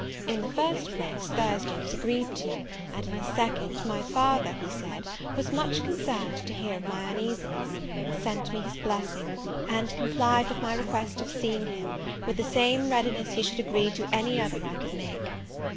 In the first place, Thursday was agreed to; and, in the second, my father, he said, was much concerned to hear of my uneasiness; sent me his blessing; and complied with my request of seeing him, with the same readiness he should agree to any other I could make.